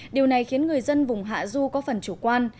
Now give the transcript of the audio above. điều này khiến người dân vùng hạ du có phần chủ quan